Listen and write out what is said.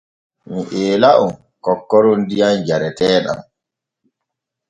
Mi eela on kokkoron diyam jareteeɗam.